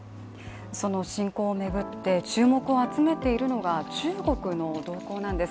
その侵攻を巡って注目を集めているのが中国の動向なんです。